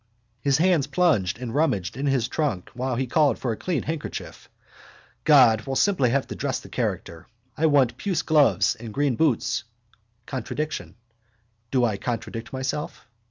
His hands plunged and rummaged in his trunk while he called for a clean handkerchief. God, we'll simply have to dress the character. I want puce gloves and green boots. Contradiction. Do I contradict myself?